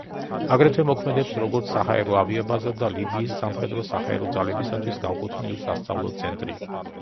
აგრეთვე მოქმედებს როგორც საჰაერო ავიაბაზა და ლიბიის სამხედრო-საჰაერო ძალებისათვის განკუთვნილი სასწავლო ცენტრი.